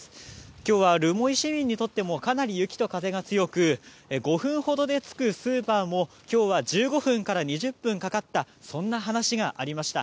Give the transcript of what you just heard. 今日は留萌市民にとってもかなり雪と風が強く５分ほどで着くスーパーも今日は１５分から２０分かかったそんな話がありました。